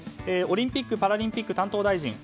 オリンピック・パラリンピック担当大臣